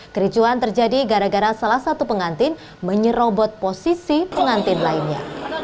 kericuan terjadi gara gara salah satu pengantin menyerobot posisi pengantin lainnya